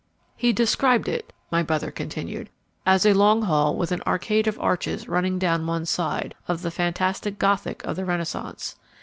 "He described it," my brother continued, "as a long hall with an arcade of arches running down one side, of the fantastic Gothic of the Renaissance.